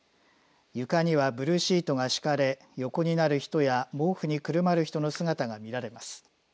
床にはブルーシートが敷かれ横になる人や毛布にくるまる人の姿が見られます。